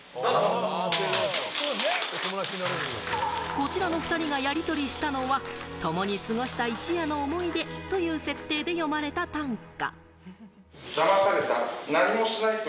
こちらの２人がやり取りしたのは、共に過ごした一夜の思い出という設定で詠まれた短歌。